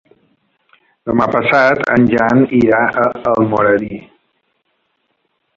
Demà passat en Jan irà a Almoradí.